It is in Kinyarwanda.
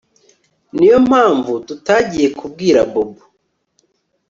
Niyo mpamvu tutagiye kubwira Bobo